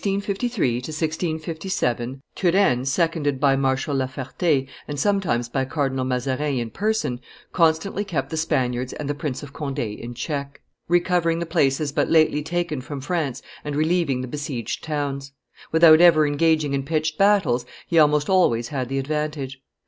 _] From 1653 to 1657, Turenne, seconded by Marshal La Ferte and sometimes by Cardinal Mazarin in person, constantly kept the Spaniards and the Prince of Conde in check, recovering the places but lately taken from France and relieving the besieged towns; without ever engaging in pitched battles, he almost always had the advantage.